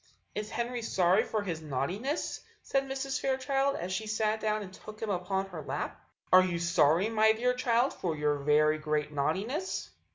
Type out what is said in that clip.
"Is Henry sorry for his naughtiness?" said Mrs. Fairchild, as she sat down and took him upon her lap. "Are you sorry, my dear child, for your very great naughtiness?"